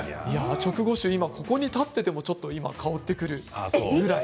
直後臭、今ここに立っていても香ってくるくらい。